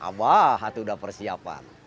abah hati sudah persiapan